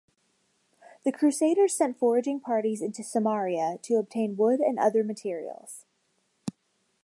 The crusaders sent foraging parties into Samaria to obtain wood and other materials.